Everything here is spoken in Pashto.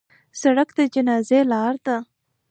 سړک د جنازې لار ده.